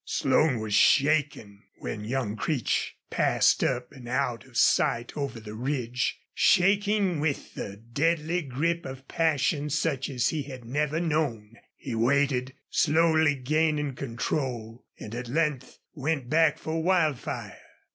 Slone was shaking when young Creech passed up and out of sight over the ridge shaking with the deadly grip of passion such as he had never known. He waited, slowly gaining control, and at length went back for Wildfire.